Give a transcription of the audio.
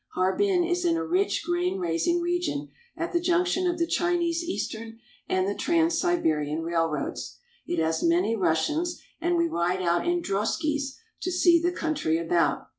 Harbin is in a rich grain raising region at the junction of the Chinese Eastern and the Trans Siberian railroads. It has many Russians, and we ride out in droskies to see the country about.